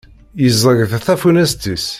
Yeẓẓeg-d tafunast-is.